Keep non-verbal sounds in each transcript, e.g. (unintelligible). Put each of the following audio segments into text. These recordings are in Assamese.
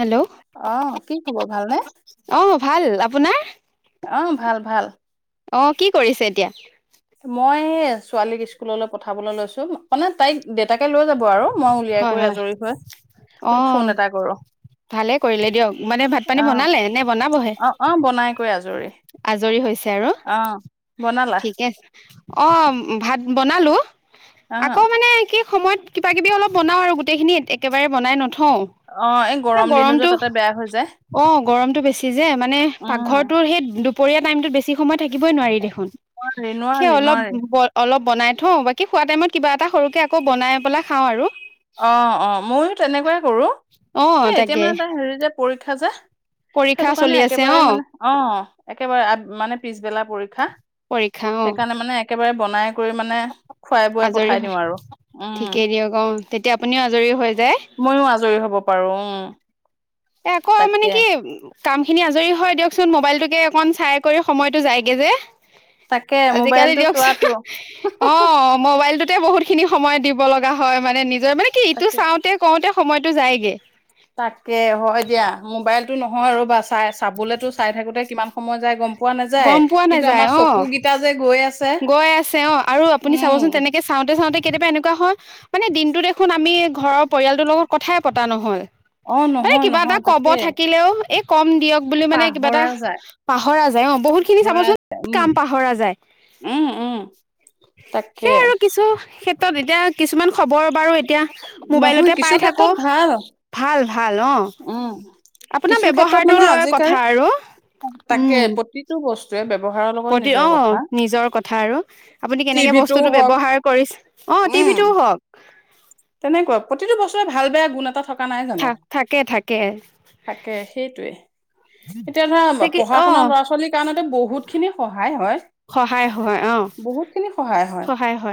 হেল্ল', অ', কি খবৰ ভালনে? অ' ভাল আপোনাৰ? অহ, ভাল -ভাল। অহ, কি কৰিছে এতিয়া? মই ছোৱালীক স্কুললৈ পঠাবলৈ লৈছোঁ মানে তাইক দেউতাকে লৈ যাব আৰু মই উলিয়াই হয় কৰি -হয় আজৰি হৈ অ বোলো ফোন এটা কৰো। 'ভালেই কৰিলে দিয়ক মানে ভাত- পানী অ', বনালে নে বনাবহে? অ', অ', (unintelligible) আজৰি হৈছে আৰু, অ', বনালা? ঠিকে আছে। অ' ভাত বনালো। আকৌ অ', মানে কি সময়ত কিবা কিবি অলপ বনাওঁ আৰু গোটেইখিনি একেবাৰে বনাই নথওঁ হোঁও অ', এই সে গৰম দিনো যে গৰমতটো, তাতে বেয়া হৈ যায়। অ' গৰমতটো বেছি যে মানে উম, পাকঘৰটোৰ সেই দুপ পৰিয়া টাইমটোত বেছ সময় থাকই নোৱাৰি দেখু খুন নোৱাৰি সে নোৱাৰি। অলপ নোৱাৰি। অলপ বনাই থওঁ বাকী খোৱা টাইমত কিবা এটা সৰুকে আকৌ বনাই পেলাই খাওঁ আৰু। অ' অ' ময়ো তেনেকুৱাই কৰো অ' এ এতিয়া তাকে মানে তাইৰ হেৰি যে পৰীক্ষা যে। পৰীক্ষা সেইটো কাৰণে চলি আছে একেবাৰে মানে অ একেবাৰে (unintelligible) মানে পিছবেলা পৰীক্ষা। পৰীক্ষা অ' সেইকাৰণে মানে একেবাৰে বনাই কৰি মানে খুৱাই বোৱাই আজৰি পঠাই দিওঁ হয় আৰু। উম। ঠিকেই দিয়ক অ তেতিয়া আপুনিও আজৰি হৈ যায় ময়ো আজৰি হব পাৰো উম। (unintelligible) (unintelligible) মানে তাকে কি কাম খিনি আজৰি হয় দিয়কচোন মোবাইলটোকে অকণ চাই কৰি সময়তটো যায়গে যে। তাকে আজিকালি মোবাইলটো চোৱাটো দিয়কচোন অ মোবাইলটোতে বহুত খিনি সময় দিব ব লগা হয় মানে নি মানে কি ইটো তাকে চাওঁতে কওঁতে সময়টো যায়গে। তাকে হয় দিয়া মোবাইল নহয় ৰ'বা চাই - চাবলেতো চাই থাকোতে কিমান সময়ত যায় গম প পোৱা নাযায় গম পোৱা কিন্তু নাযায় আমাৰ অ চকু গিতা যে গৈ আছে গৈ আছে অ' আৰু আপুনি উম চাবচোন তেনেকে চাওঁত তে চাওঁতে কেতিয়াবা এনেকুৱা হয় মানে দিনটো দেখোন আমি ঘৰৰ পৰিয়ালটোৰ লগত কথাই পতা নহল। অ মানে নহয় কিবা নহয় এটা কব তাকে থাকিলেও এই কম দিয়ক। বুলি মানে কিবা এটা পাহৰা যায় পাহৰা যায় অ বহুত খিনি পাহৰা চাবচোন যায় উম কাম পাহৰা যায়। উম উম তাকে সেইয়াই আৰু কিছু ক্ষে ক্ষেত্ৰত এতিয়া কিছুমান খবৰ বাৰু এতিয়া নহয় মোবাইলতে কিছু পাই থাকোঁ, ক্ষেত্ৰত ভাল ভাল-ভাল অহ, উম কিছু আপোনাৰ ক্ষেত্ৰত ব্যৱহাৰটো মানে লৈ আজিকালি কথা আৰু উম। যে (unintelligible) প্ৰতি অহ, নিজৰ কথা আৰু আপুনি কেনেকে টিভিটো বস্তুটো হওক ব্যৱহাৰ কৰিছে, অহ উম টিভিটোও হওক। তেনেকুৱা প্ৰতিটো বস্তুটোৰে ভাল-বেয়া গুণ এটা থা (unintelligible) নাই জানো? থা থাকে থাকে থাকে, সেইটোৱে। এতিয়া ধৰা তাকে অ পঢ়া-শুনা ল'ৰা-ছোৱালীৰ কাৰণেটো বহুতখিনি সহায় হয়, সহায় হয় অ বহুতখিনি সহায় হয়,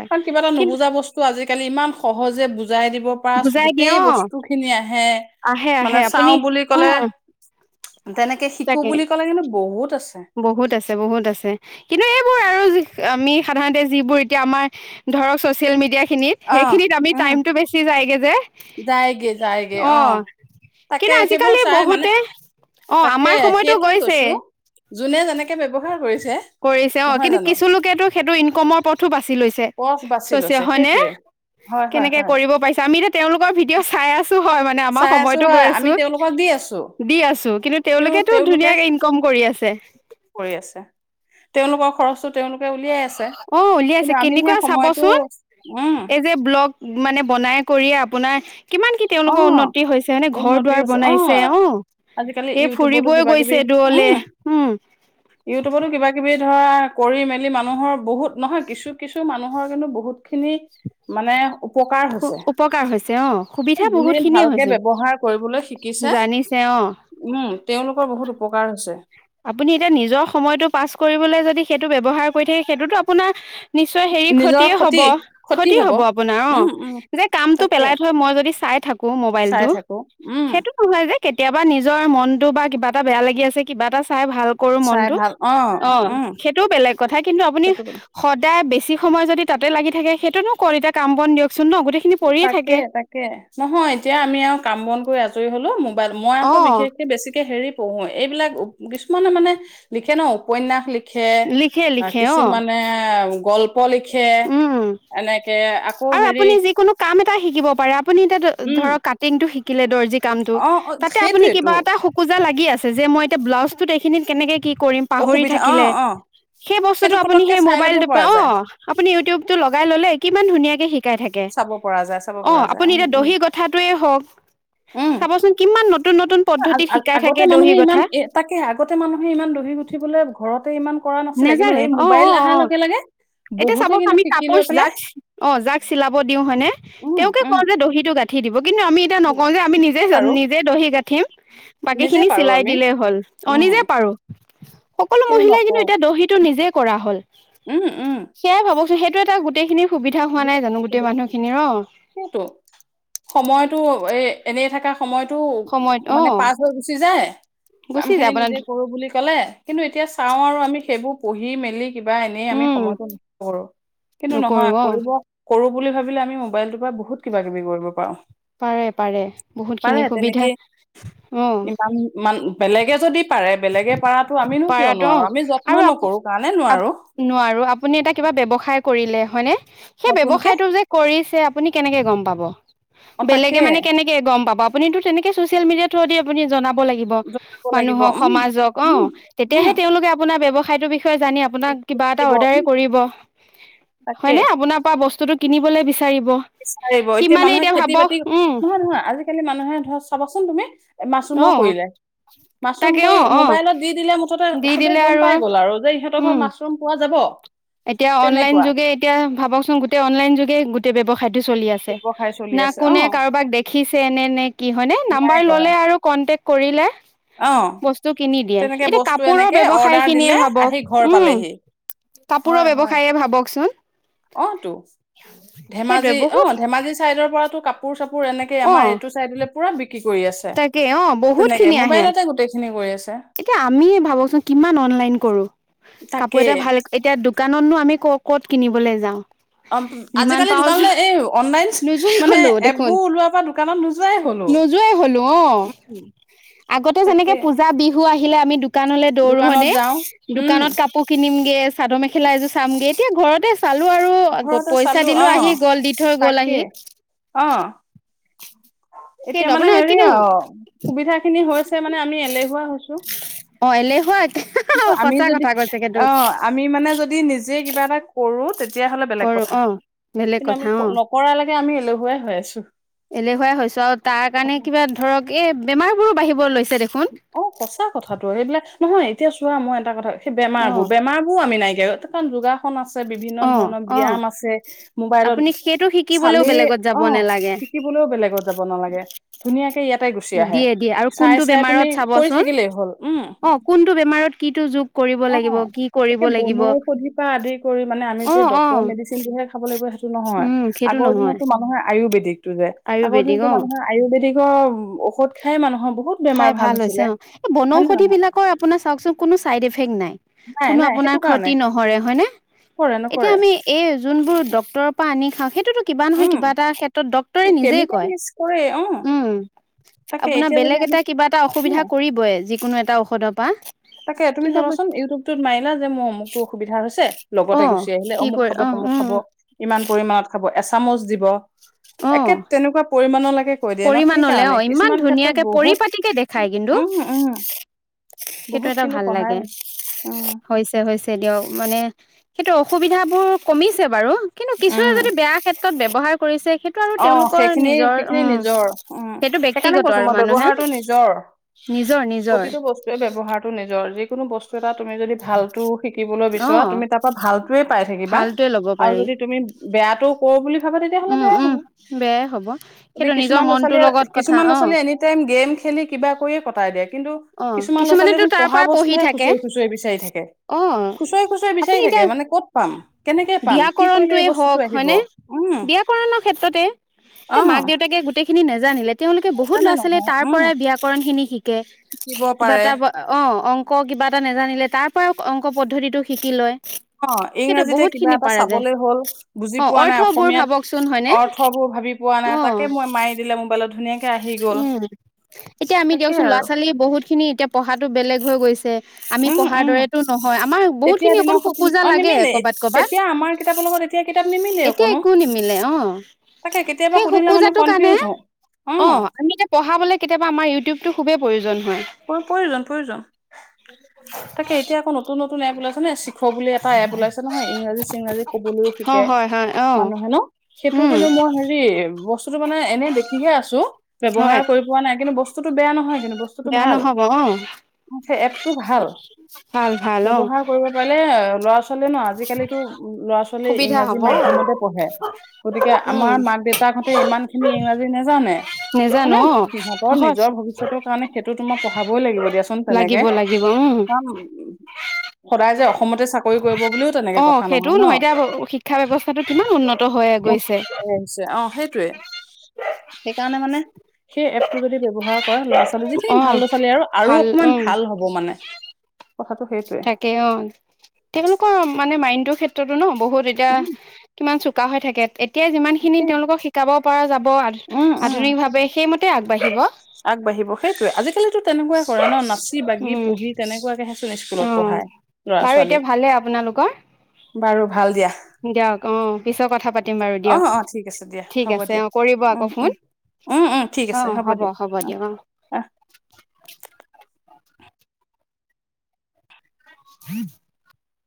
কাৰণ কিবা এটা নুবুজা বস্তু আজি আজিকালি ইমান সহ সহজে বুজা বুজাই দিব পাৰা বুজাই দিয়ে গোটেই অ বস্তুখিনি আহে, আহে আহে মানে আপুনি চাওঁ বুলি ক'লে উম তেনেকে শিকো তাকে, বুলি ক'লে কিন্তু বহুত আছে বহুত আছে-বহুত আছে। কিন্তু এইবোৰ আৰু যি আমি সাধাৰণতে যিবোৰ এতিয়া আমাৰ ধৰক ছচিয়েল মিডিয়া খিনিত সেইখিনিত আমি টাইমটো বেছি যায়গে দে (unintelligible) যায়গে-যায়গে অহ। তাকে কিন্তু সেইবোৰ আজিকালি চাই মানে বহুতে তাক অ তাকে আমাৰ সময়তো সেইটোৱেই গৈছে কৈছোঁ, যোনে যেনেকে ব্যৱহাৰ (unintelligible) কৰিছে। কৰিছে অঁ! নহয় কিন্তু জানো কিছুলোকেতো সেইটো ইনকমৰ পথো বাছি লৈছে। পথ বাছি লৈছে (unintelligible) হয়নে? সেইটোৱে হয় হয় কেনেকে হয় কৰিব পাৰিছে, আমি এতিয়া তেওঁলোক তেওঁলোকৰ ভিডিঅ' চাই আছোঁ হয় মানে আমাৰ চাই আছো সময়তো হয় গৈ আমি আছোঁ, তেওঁলোকক দি আছো দি আছোঁ কিন্তু তেওঁলোকেটো ধুনীয়াকে ইনকম কৰি আছে। কৰি আছে তেওঁলোকৰ খৰচটো তেওঁলোকে উলিয়াই আছে অহ, কিন্তু উলিয়াইছে। আমিহে কেনেকুৱা সময়টো চাবচোন, উম এই যে ব্লগ মানে বনাই কৰিয়েই আপোনাৰ কিমান কি অ তেওঁলোকৰ উন্নতি হৈছে মানে উন্নতি ঘৰ-দুৱাৰ হৈছে অ বনাইছে, অহ। আজিকালি এই ইউটিউবতো ফুৰিবই কিবা কিবি গৈছে দূৰলে। উম উম। ইউটিউবতো কিবা কিবি ধৰা কৰি মেলি মানুহৰ বহুত নহয় কিছু-কিছু মানুহ মানুহৰ কিন্তু বহুতখিনি, মানে উপকাৰ হৈছে উপকাৰ হৈছে, অহ। সুবিধা বহুত যোনে খিনিয়ে ভালকে হৈছে ব্যৱহাৰ কৰিবলৈ শিকিছে, জানিছে অ উম তেওঁলোকৰ বহুত উপকাৰ হৈছে। আ (unintelligible) আপুনি এতিয়া নিজৰ সময়টো পাছ কৰিবলৈ যদি সেইটো ব্যৱহাৰ কৰি থাকে, সেইটোতো আপোনাৰ নিশ্চয় হেৰি ক্ষতিয়ে হ'ব, ক্ষতি হ'ব আপোনাৰ, অহ উম উম যে কামটো তাকে পেলাই থৈ মই যদি চাই থাকোঁ চাই মোবাইলটো, থাকো উম সেইটো (unintelligible) কেতিয়াবা নিজৰ মনটো তো বা কিবা এটা বেয়া লাগি আছে কিবা এটা। চাই ভাল কৰো চাই মনটো ভাল অ উম সেইটো বেগ কথা কিন্তু আপু সেইটো সদায় বেছি। সময় যদি তাতে লাগি থাকে সেইটোনো কৰ এতিয়া কাম বন দিয়ক। তাকে- তাকে নহয় এতিয়া আমি আৰু কাম বন কৰি আজৰি। কৰি হ'লো মোক। বাদ মই অ আকৌ বিশেষকে বেছিকে হেৰি। পহু এইবিলাক কিছুমানে মানে লিখে ন উপনয়াস লিখ। খে লিখে লিখে অ কিছুমানে গল। প লিখে উম এনেকে আকৌ আৰু হেৰি। আপুনি যিকোনো কাম এটা শিকিব পাৰে আপুনি এতিয়া ধ উম ধৰক কাটিং। শিকিলে দৰ্জি। কমটো অ অ তাতে আপুনি সেইটোৱেতো কিবা এটা সোকোজা লাগে। গি আছে যে মই এয়া ব্লাউজটোত এইখিনিত কেনেকে কি। কৰিম পাহৰি অসুবিধা অ থাকিলে অ সেই বস্তুতটো সেইটো আপুনি পতককে সেই চাই ল'ব মোবাইলটো পা পৰা অ। যায়, আ ইউটিউ টো লগাই ল'লে কিমান ধুনীয়াকে শিক। শিকাই থাকে। চাব পৰা যায়, চাব অ পৰা যায়, আপুনি উম, এতিয়া উম। দহি গথাটোৱে হওক চাবচোন কিমান নতুন। নতুন আ পদ্ধতিত আ শিকাই আগতে থাকে দহি মানুহে ইমান গঠা এ তাকে আগতে মানুহে ইমান দহি উঠিবলৈ ঘৰত। তে ইমান। কৰা নাছিলে কিন্তু নেজানে এই অ- মোবাইল অ অহাৰ -অ লগে লগে এতিয়া বহুতে চাব কিন্তু আমি শিকি কাপোৰ লৈ পেলাই যাক অ যাক চিলাব দিওঁ হয়নে উম, তেওঁকে উম, কওঁ যে দহিটো গা। ঠি দিব। কিন্তু আমি এতিয়া নকও নিজে যে আমি নিজে- পাৰো, নিজে দহি গাঠিম বাকী নিজে খিনি পাৰো চিলাই আমি, দিলেই হ'ল অ উম, নিজে পাৰো। সকলো কিয় মহিলাই নকওঁ, কিন্তু। টো নিজেই কৰা হ'ল। উম, উম, সেইয়াই ভাবোকচোন সেইটোৱে। গোটেইখিনি। সুবিধাহোৱা নাই জানো গোটেই মানুহ। খিনি ৰ। সেইটো সময়তো এ এনেই থকা। সময়তটো সময়ত অ মানে পাছ হৈ গুচি যায়। কাম গুচি খিনি যায় আপোনাৰ নিজে কৰো বুলি। ক'লে কিন্তু এতিয়া চাওঁ আৰু আমি সেইবোৰ পঢ়ি মেলি। কিবা এনেই আমি উম সময়তো ন কৰো কিন্তু নকৰো নহয় অ কৰিব কৰো। বুলি ভাবিলে আমি মোবাইলটো বহুত কিবা কিবি কৰিব পাৰো পাৰে পাৰে বহুতখিনি সুবিধা তেনেকে অ ইমান মান বেলেগে যদি পাৰে বেলেগে পাৰাতো আমিনো কিয় পাৰাটো অ নোৱাৰোঁ আমি যত্ন আৰু আপ নকৰোঁ কাৰণে আপ নোৱাৰোঁ নোৱাৰো আপুনি এটা কিবা ব্যৱসায় কৰিলে হয়নে সেই নতুনকে ব্যৱসায়টো যে কৰিছে আপুনি কেনেকে গম পাম? ব অ তাকে বেলেগে মানে কেনেকে গম পাব আপুনিতো তেনেকে ছচিয়েল মিডিয়া অথদি আপোনি জনাব ব লাগিব জনাব মানুহ লাগিব উম সমাজ অ উম উম তেতিয়াহে তেওঁলোকে আপো না ব্যৱসায়টো বিষয়টো তই জানি আপোনাক কিবা এটা দিব অৰ্ডাৰে উম, কৰিব তাকে হয় নে আপোনাৰ পৰা বস্তুতো কিনিবলে বিচ বিচাৰিব এতিয়া মানুহে খেতি বাতি উম নহয় নহয় আজিকালি মানুহে ধৰ চাবচোন তুমি অ মাছৰুমৰ কৰিলে মাছৰুম তাকে অ কৰি অ মোবাইলত দি দিলে মুঠতে দি সবেই দিলে গম আৰু পাই গ'ল আৰু যে ইহঁতৰ উম ঘৰত মাছৰুম পোৱা যাব এতিয়া অনলাইন তেনেকুৱা যোগে এতিয়া ভাবকচোন গোটেই অনলাইন যোগে গো তে ব্যৱসায় খাদ্য চলি আছে ব্যৱসায় চলি না আছে কো অ কাৰোবাক দেখিছে ন নে কি হয় ন নাম্বাৰ নাই কৰা ললে আৰু কণ্টেক কৰিলে অ বস্তু কিনি দিয়ে তেনেকে এতিয়া বস্তু কাপোৰৰ এনেকে ব্যৱসায় অৰ্ডাৰ খিনিয়ে দিলে ভাবক আহি ঘৰ উম পালেহি হয় হয় কাপোৰব্যৱসায়ে ভাবক চোন অ টো সেইটোৱে ধেমাজি অ বহুত ধেমাজি চাইদৰ পৰাতটো কাপোৰ চাপোৰ এনেকে অ আমাৰ এইটো চাইডলে পুৰা বিক কি কৰি আছে তাকে অ বহুত তেনেকে খিনি আহে মোবাইলতে গোটেই খিনি কৰি আছে এতিয়া আমিয়ে ভাবকচোন কিমান অনলাইন কৰো কাপোৰ তাকেই এটা ভাল এতিয়া দো কানতনো আমি ক ক'ত কিনিবলৈ যাওঁ অ যিমান আজিকালি পাওঁ দোকানলৈ এই অনলাইন নোযোৱাই মানে হলো দেখোন এপবোৰ ওলোৱাৰ পৰা দোকানত নোযোৱাই হ'লো নোযোৱাই হলো অ উম আগতে যেনেকে তাকে পূজা বিহু আহিলে আমি দোক দোকানলৈ দৌৰো দোকানত হনে যাওঁ উম দোকানত কাপোৰ কিনিম গে চাদৰ মেখেলা এযোৰ চামগে এতিয়া ঘৰতে চালো আৰু ঘৰতে পইচা চালো দিলো অ আহি গল দি থৈ গল তাকে আহি অ এতিয়া সেইটো মানে আপোনাৰ হেৰি কিন্তু আৰু সুবিধা খিনি হৈছে মানে আমি এলেহুৱা হৈছো অঁ এলেহোৱা কিন্তু আমি যদি অ আমি মানে যদি নিজ যে কিবা এটা কৰো তেতিয়াহ'লে বেলেগ কৰো কথা অ বেলেগ কিন্তু আমি কথা অ নকৰালৈকে আমি এলেহুৱাই হৈ আছো এলেহুৱাই হৈছো আৰু তাৰ কাৰণে কিবা ধৰক এ বেমাৰ বোৰ বাঢ়িব লৈছে দেখোন অ সঁচা কথাটো সেইবিলাক নহয় এতিয়া চোৱা মই এটা কথা স বেমাৰ অ বোৰ, বেমাৰ বোৰ আমি নাইা গহত যোগাসন আছে বিভিন্ন অ ধৰণৰ অ ব্যায়াম আছে মোবাইলত আপুনি সেইটো শিকিবলৈও চালেই বেলেগত যাব অ নালাগে শিকিবলৈও বেলেগত যাব নালাগে ধুনীয়াকে ইয়াত দিয়ে দিয়ে আৰু কোনটো বেমাৰত কৰি চাবচোন থাকিলে হল হম। অ কোনটো বেমাৰত কিটো যোগ কৰিব লাগিব অঁ কি কৰিব তাকে লাগিব অ অ উম সেইটো নহয় আয়ুৰ্বেদিক অ তিক ঔষধ খাই মানুহৰ বহুত বহু খাই বেমাৰ ভাল হৈছে অঁ। এ বনৰ হয় নে নহয় ঔষধবোৰৰ আপোনাক চাঁও ক চোন কোনো চাইড এফেক্ট নাই, নাই কোনো নাই আপোনাৰ সেইটো কাৰণে ক্ষতি নকৰে নহয়নে? কৰে এতিয়া নকৰে আমি যতনবোৰ ডক্টৰ পৰা আনি। থাকে কিবা নহয় উম কিবা এটা ক্ষেত্ৰত ডক্তৰে নিজেই কেমিকেল কয় মিক্স কৰে অ উম তাকে আপোনাৰ এতিয়া বেলেগ যদি এটা আমি (unintelligible) কিবা এটা ন অসুবিধা কৰিবই কোনো এটা ঔষধৰ পৰাা তাকে তুমি চাবাচোন ইউটিউবটোত মাৰিলা যে মোৰ অমুকতো অসুবিধা হৈছে (unintelligible) অ লগতে গুচি আহিলে কি অমুক কৰি খাব অ তমুক উম খাব ইমান পৰিমামানত খাব হ এচামুচ দিব একে তেনেকুৱা পৰিম মানণৰ লাগে পৰিমানলে অ ইমান ধুনীয়াকে বহুত পৰিপাটিকে দেখায় কিন্তু উম উম সেইটো বহুত এটা কিন্তু ভাল সহায় লাগে হৈছে উম হৈছে হৈছে দিয়ক মানে সেইটো অসুবিধা বোৰ কমিছে বাৰু কিন্তু কিছুৱে উম যদি বেয়া ক্ষেত্ৰ ব্যৱহাৰ কৰিছে সেইটো আৰু তেওঁলোকৰ নিজৰ উ উম সেইটো সেইকাৰণে ব্যক্তিগত কৈছো আৰু মই মানুহে ব্যৱহাৰটো নিজৰ নিজৰ নিজৰ প্ৰতিটো বস্তুতে ব্যৱহাৰটো নিজৰ যি। বচ টা তুমি যদি ভালটো শিকিবলৈ অ বিচৰা তুমি তাৰ পৰা ভালতোয়ে পাই থাকিবা ভালটোৱে ল'ব আৰু পাৰি যদি তুমি বেয়াটো কৰো বুলি। খাবা তেতিয়াহলে উম বেয়া উম হ'ব। বেয়াই হ'ব এ সেইটো নিজৰ কিছুমান মনটোৰ লগত ল'ৰাছোৱালীয়ে কথা কিছুমান অ ল'ৰাছোৱালীয়ে এনিটাইম গেম খেলি কিবা কৰিয়ে কটাই দিয়ে কিন্তু অ কিছুমান ল'ৰা কিছুমানেতো ছালীয়েচোন তাৰ পঢ়া পৰা পঢ়ি বস্তুহে থাকে খুচৰি খুচৰি বিচাৰি থাকে অ খুচৰি খুচৰি আপুনি বিচাৰি এতিয়া থাকে মানে ক'ত পাম কেনেকে পাম কি কৰিলে ব্যাকৰণটোৱে এই বস্তুটো আহিব উম। তে অ এয়া মাক দেউতাকে গোটেইখিনি নে জানিলে তেওঁলোকে বহুত জানে ল'ৰা ছোৱালী নহয় তাৰ উম পৰাই ব্যয়াকৰণ খিনি শিকে শিকিব কে কিবা পাৰে এটা অ অ আক কিবা এটা নেজানিলে তাৰ পৰাও অংক পদ্ধতিটো শিকি লয়। অ সেইটো ইংৰাজীতে বহুত কিবা খিনি এটা পাৰা যায় চাবলৈ হ'ল বুজি অ পোৱা নাই অৰ্থবোৰ ভাবকচোন হয়নে অসমীয়াত অৰ্থবোৰ ভাবি পোৱা অ নাই তাকে মই মাৰি দিলে মোবাইলত ধুনীয়াকে আহি গ'ল উম এতিয়া আমি তাকেই দিয়কচোন ল'ৰা আৰু ছোৱালী বহুত খিনি এতিয়া পঢ়াটো বেলেগ হৈ গৈছে আমি উম পঢ়াৰ উম দৰেতো নহয় আমাৰ বহুত তেতিয়া খিনি দিনৰ সতি অকণোকোজা অ লাগে নিমিলে কৰবাত কৰবাত তেতিয়া আমাৰ কিতাপৰ লগত এতিয়া কিতাপ নিমিলে এতিয়া অকনো একো নিমিলে অ তাকে কেতিয়াবা সেই সুধিলে মানে খোকোজা কাৰণে কনফিউজ হওঁ অ আমি এতিয়া পঢ়াব কেতিয়া আম ইউিউব খুবেই প্ৰয়োজন হয় প্ৰয়োজন প্ৰয়োজন তাকে এতিয়া আকৌ নতুন নতুন এপ ওলাইছে নে শিখ বুলি এটা এপ ওলাইছে নহয় ইংৰাজী চিংৰাজী কবলৈও অ শিকে হয় হয় অ মানুহে ন সেইটো উম কিন্তু মই হেৰি বস্তুটো মানে এনে দেখিহে আছো হয় ব্যৱহাৰ কৰি পোৱা নাই কিন্তু বস্তুতটো বেয়া নহয় কিন্তু বস্তু বেয়া নহব অ এপটো ভাল ভাল ভাল অ ব্যৱহাৰ কৰিব পাৰিলে ল'ৰা ছোৱালী ছোৱাল ন আজিকালিিতো ল'ৰা ছোৱালীয়ে সুবিধা ইংৰাজী হ'ব অ মাধ্য়মতে পঢ়ে গতিকে আমাৰ উম মাক দেউতাকহঁতে ইমান খিনি ইংৰাজী নেজানে নেজানো মানে অ', সিহঁতৰ সহজ নিজৰ ভৱিষ্যতৰ কাৰণে সেইটো তোমাক পঢ়াবই লাগিব দিয়াচোন তেনেকে লাগিব লাগিব উম, সদায় যে অসমতে চাকৰি তেনেকে অ', কথা সেইটোও নহয় ন এতিয়া শিক্ষা ব্যৱস্থাটো কিমান উন্নত হৈ গৈছে অ সেইটোৱে সেইকাৰণে মানে সেই এপ টো যদি ব্যৱহাৰ কৰা ল'ৰা ছোৱালী ইহ ভাল অ', ল ছোৱালী আৰু আৰু ভাল অকমান ভাল হ'ব মানে। কথাটো সেইটোৱে থাকে অহ। তেওঁলোকৰ মানে মাইণ্ড টো ক্ষেত্ৰতো ন? বহুত উম এতিয়া কিমান চক চোকা হৈ থাকে এতিয়া যিমানখিনি তেওঁলোকক শিকাব পৰা যাব ব উম উম আ-আধুনিক ভাৱে হেমত তে আগবাঢ়িব। আগবাঢ়িব, সেইটোৱে আজিকালিতো তেনেকুৱা কৰে ন নাচি বাগি পঢ়ি তেনেকুৱাকে উম, বাৰু এতিয়া ভালে আপোনালোকৰ? বাৰু ভাল দিয়া দিয়ক অহ পিছত কথা পাতিম বাৰু অ দিয়ক, অ ঠিক আছে দিয়া ঠিক হ'ব আছে। দিয়া অহ কৰিব আকৌ উম ফোন, উম উম উম ঠিক আছে অহ হ'ব দিয়া অ হ'ব-হ'ব দিয়ক। অহ আহ (unintelligible)